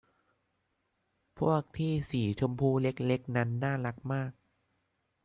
พวกที่สีชมพูเล็ก ๆ นั้นน่ารักมาก